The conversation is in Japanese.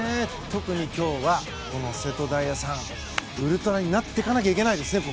特に今日は瀬戸大也さんウルトラになっていかなきゃいけないですね。